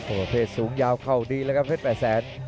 โอ้โหเพศสูงยาวเข้าดีแล้วครับเพชรแปดแสน